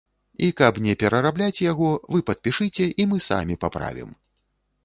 І каб не перарабляць яго, вы падпішыце, і мы самі паправім.